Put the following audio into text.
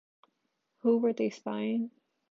Who were they spying?